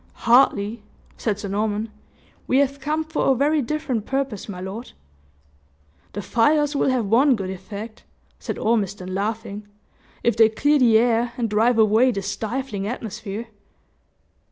"Hardly," said Sir Norman; "we have come for a very different purpose, my lord." "The fires will have one good effect," said Ormiston laughing; "if they clear the air and drive away this stifling atmosphere."